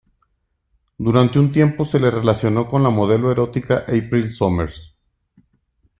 Durante un tiempo se le relacionó con la modelo erótica April Summers.